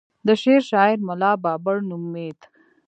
د شعر شاعر ملا بابړ نومېد.